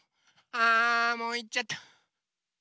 あもういっちゃった。